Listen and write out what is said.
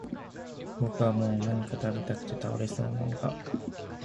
僕はもう何か喰べたくて倒れそうなんだ